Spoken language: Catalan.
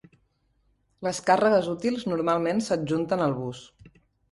Les càrregues útils normalment s'adjunten al bus.